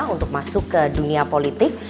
untuk masuk ke dunia politik